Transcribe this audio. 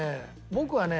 僕はね